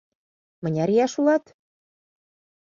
— Мыняр ияш улат?